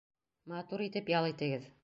Матур итеп ял итегеҙ.